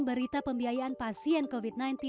berita pembiayaan pasien covid sembilan belas